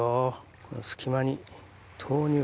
この隙間に投入。